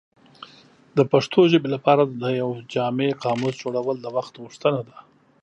د پښتو ژبې لپاره د یو جامع قاموس جوړول د وخت غوښتنه ده.